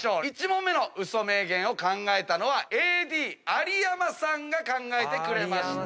１問目の嘘名言を考えたのはＡＤ有山さんが考えてくれました。